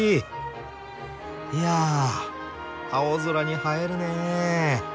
いやあ青空に映えるねえ。